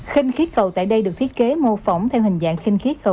khinh khí cầu tại đây được thiết kế mô phỏng theo hình dạng khinh khí cầu